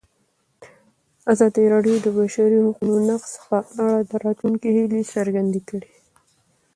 ازادي راډیو د د بشري حقونو نقض په اړه د راتلونکي هیلې څرګندې کړې.